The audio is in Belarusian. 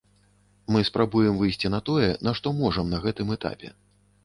Мы спрабуем выйсці на тое, на што можам на гэтым этапе.